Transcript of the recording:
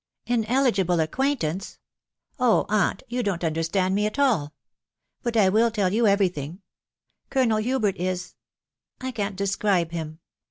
" An eligible acquaintance !.... Oh ! aunt, you don't un derstand me at all !.... But I will tell you every thing. Colonel Hubert is .... I can't describe him.